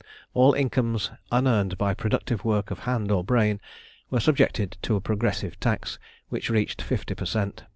All incomes unearned by productive work of hand or brain were subjected to a progressive tax, which reached fifty per cent.